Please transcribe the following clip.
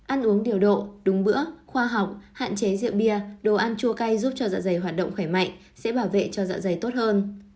ăn uống điều độ đúng bữa khoa học hạn chế rượu bia đồ ăn chua cay giúp cho dạ dày hoạt động khỏe mạnh sẽ bảo vệ cho dạ dày tốt hơn